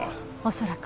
恐らく。